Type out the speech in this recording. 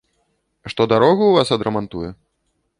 Што дарогу ў вас адрамантуе?